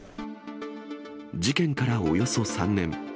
事件からおよそ３年。